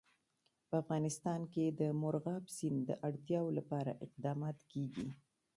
په افغانستان کې د مورغاب سیند د اړتیاوو لپاره اقدامات کېږي.